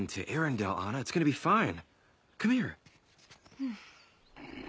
うん。